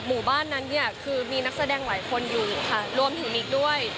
หมู่บ้านนั้นเนี่ยคือมีนักแสดงหลายคนอยู่ค่ะรวมถึงมิกด้วย